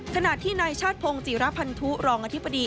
ขณะที่นายชาติพงศ์จิรพันธุรองอธิบดี